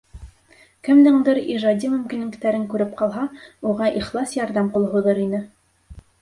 Кемдеңдер ижади мөмкинлектәрен күреп ҡалһа, уға ихлас ярҙам ҡулы һуҙыр ине.